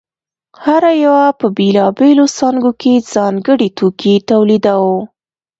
هر یوه په بېلابېلو څانګو کې ځانګړی توکی تولیداوه